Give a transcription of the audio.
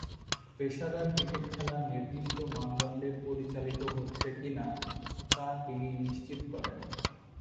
পেশাদার ক্রিকেট খেলা নির্দিষ্ট মানদণ্ডে পরিচালিত হচ্ছে কি-না তা তিনি নিশ্চিত করেন।